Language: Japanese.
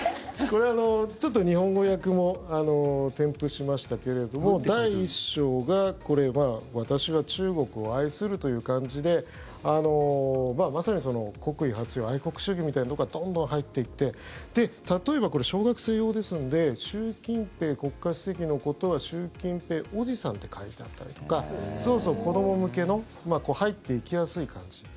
ちょっと日本語訳も添付しましたけれども第１章が私は中国を愛するという感じでまさに国威発揚愛国主義みたいなところがどんどん入っていって例えば、小学生用ですので習近平国家主席のことは習近平おじさんって書いてあったりとか子ども向けの入っていきやすい感じ。